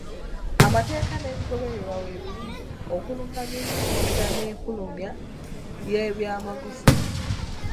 Amateeka n'ebigobererwa weebiri okulungamya ennyingiza n'enfulumya y'ebyamaguzi.